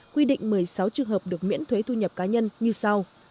quy định một mươi sáu trường hợp được miễn thuế thu nhập cá nhân như sau